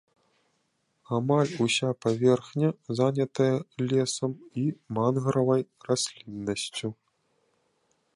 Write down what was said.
Амаль уся паверхня занятая лесам і мангравай расліннасцю.